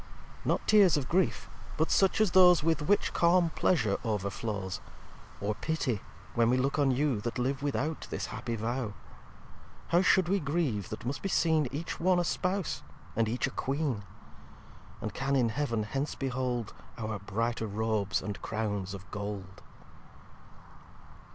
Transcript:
xv "Not Tears of Grief; but such as those With which calm Pleasure overflows; Or Pity, when we look on you That live without this happy Vow. How should we grieve that must be seen Each one a Spouse, and each a Queen; And can in Heaven hence behold Our brighter Robes and Crowns of Gold?